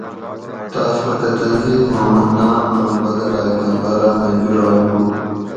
تاۤس پتہ تنظیماں ناماۤں بدلاگاۤں باراۤ مئی جولاگ ہُو